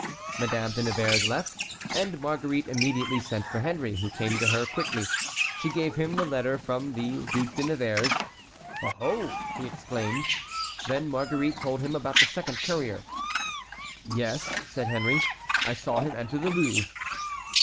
Madame de Nevers left, and Marguerite immediately sent for Henry, who came to her quickly. She gave him the letter from the Duc de Nevers. "Oh! oh!" he exclaimed. Then Marguerite told him about the second courier. "Yes," said Henry; "I saw him enter the Louvre."